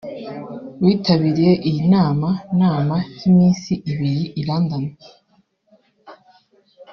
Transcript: witabiriye iyi nama nama y’iminsi ibiri i London